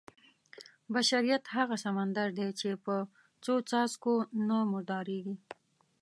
بشریت هغه سمندر دی چې په څو څاڅکو نه مردارېږي.